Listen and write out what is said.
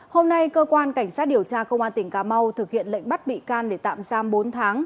hôm nay cơ quan cảnh sát điều tra công an tỉnh cà mau thực hiện lệnh bắt bị can để tạm giam bốn tháng